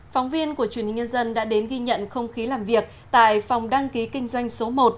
phóng viên của truyền hình nhân dân đã đến ghi nhận không khí làm việc tại phòng đăng ký kinh doanh số một